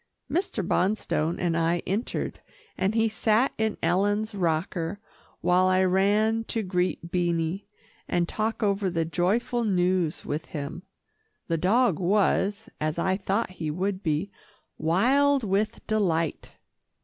Mr. Bonstone and I entered, and he sat in Ellen's rocker while I ran to greet Beanie, and talk over the joyful news with him. The dog was, as I thought he would be, wild with delight.